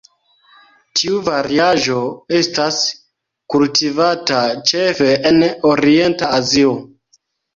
Tiu variaĵo estas kultivata ĉefe en Orienta Azio.